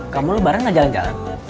kamu lebaran gak jalan jalan